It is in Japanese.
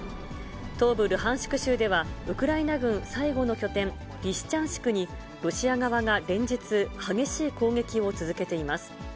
東部ルハンシク州では、ウクライナ軍最後の拠点、リシチャンシクに、ロシア側が連日、激しい攻撃を続けています。